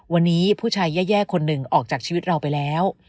วันนี้ผู้ชายแย่คนหนึ่งออกจากชีวิตเราไปแล้ว